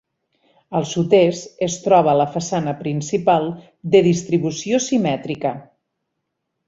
Al sud-est es troba la façana principal, de distribució simètrica.